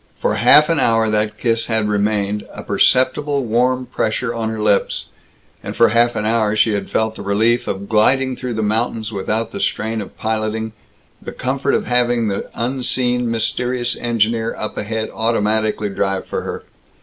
For half an hour that kiss had remained, a perceptible warm pressure on her lips. And for half an hour she had felt the relief of gliding through the mountains without the strain of piloting, the comfort of having the unseen, mysterious engineer up ahead automatically drive for her.